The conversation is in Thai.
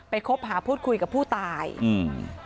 คบหาพูดคุยกับผู้ตายอืม